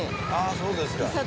ああそうですか。